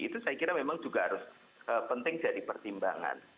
itu saya kira memang juga harus penting jadi pertimbangan